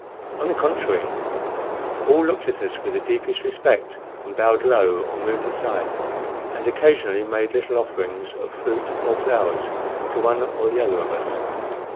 On the contrary, all looked at us with the deepest respect, and bowed low or moved aside, and occasionally made little offerings of fruit or flowers to one or the other of us.